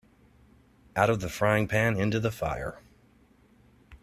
Out of the frying-pan into the fire.